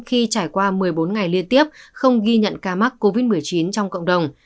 khi trải qua một mươi bốn ngày liên tiếp không ghi nhận ca mắc covid một mươi chín trong cộng đồng